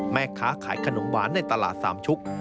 แม่ค้าขายขนมหวานในตลาดสามชุก